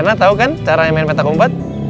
karena tahu kan caranya main petak umpat